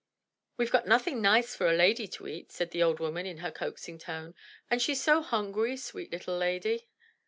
"We've got nothing nice for a lady to eat," said the old woman in her coaxing tone. "And she's so hungry, sweet little lady."